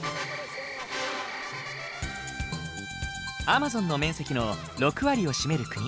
アマゾンの面積の６割を占める国